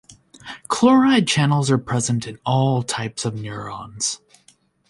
Chloride channels are present in all types of neurons.